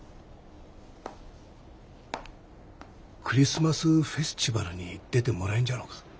クリスマスフェスチバルに出てもらえんじゃろうか？